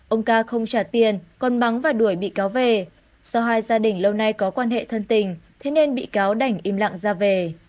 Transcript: ông ca không trả tiền còn vắng và đuổi bị cáo về do hai gia đình lâu nay có quan hệ thân tình thế nên bị cáo đành im lặng ra về